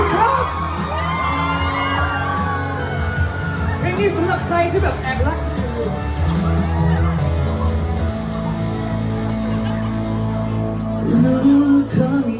ขอบคุณครับ